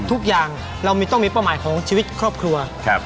อืมเรามันต้องมีเป้าหมายของชีวิตครอบครัวครับ